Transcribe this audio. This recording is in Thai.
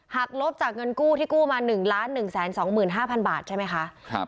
ลบจากเงินกู้ที่กู้มา๑๑๒๕๐๐๐บาทใช่ไหมคะ